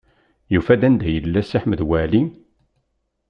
Yufa-d anda yella Si Ḥmed Waɛli.